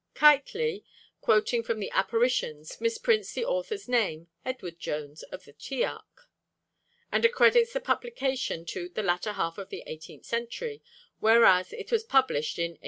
Keightley, quoting from the 'Apparitions,' misprints the author's name 'Edward Jones of the Tiarch,' and accredits the publication to 'the latter half of the eighteenth century,' whereas it was published in 1813.